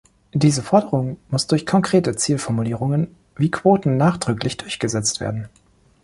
Diese Forderung muss durch konkrete Zielformulierungen wie Quoten nachdrücklich durchgesetzt werden.